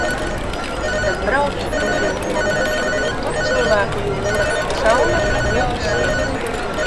Tad braucu uz Jūrmalu. Tur cilvēku jūra. Saule, ļoti silts.